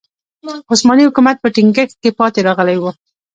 عثماني حکومت په ټینګښت کې پاتې راغلی و.